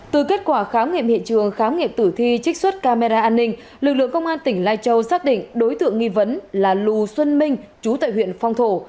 từ kết quả khám nghiệm hiện trường khám nghiệm tử thi trích xuất camera an ninh lực lượng công an tỉnh lai châu xác định đối tượng nghi vấn là lù xuân minh chú tại huyện phong thổ